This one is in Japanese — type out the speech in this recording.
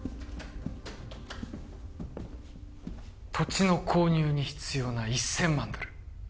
土地の購入に必要な１０００万ドル